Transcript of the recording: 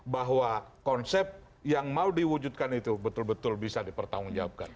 bahwa konsep yang mau diwujudkan itu betul betul bisa dipertanggungjawabkan